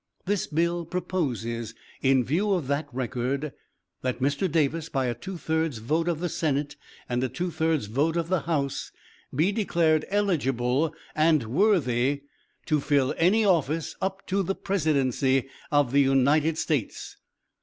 This bill proposes, in view of that record, that Mr. Davis, by a two thirds vote of the Senate and a two thirds vote of the House, be declared eligible and worthy to fill any office up to the Presidency of the United States.